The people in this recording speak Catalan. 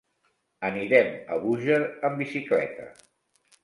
Anirem a Búger amb bicicleta.